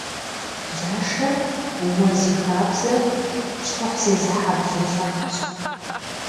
Блашэр уэ зи хабзэ, щхъухь зезыхьэ блэ лъэпкъщ.